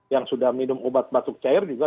yang sudah minum obat batuk cair juga